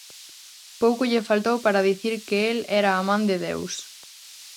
Pouco lle faltou para dicir que el era a Man de Deus.